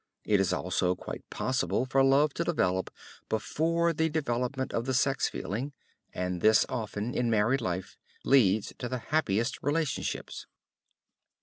It is also quite possible for love to develop before the development of the sex feeling, and this often, in married life, leads to the happiest relationships.